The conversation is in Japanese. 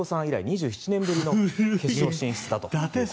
以来２７年ぶりの決勝進出だと。